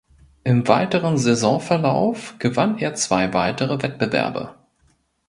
Im weiteren Saisonverlauf gewann er zwei weitere Wettbewerbe.